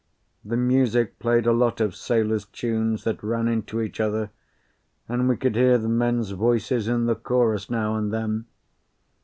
The music played a lot of sailors' tunes that ran into each other, and we could hear the men's voices in the chorus now and then.